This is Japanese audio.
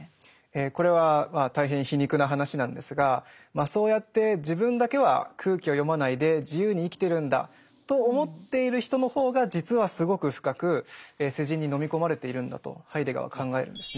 えこれは大変皮肉な話なんですがそうやって自分だけは空気を読まないで自由に生きてるんだと思っている人の方が実はすごく深く世人に飲み込まれているんだとハイデガーは考えるんですね。